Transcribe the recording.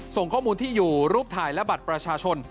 ส่งข้อมูลที่อยู่รูปถ่ายและบัตรประชาชน